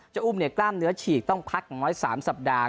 อุ้มกล้ามเนื้อฉีกต้องพักอย่างน้อย๓สัปดาห์